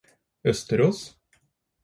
Østerås